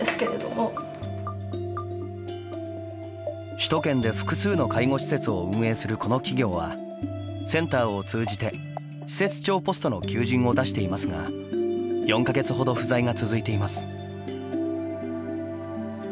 首都圏で複数の介護施設を運営する、この企業はセンターを通じて施設長ポストの求人を出していますが４か月ほど不在が続いています。